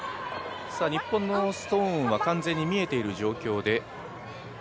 日本のストーンは完全に見えている状況で。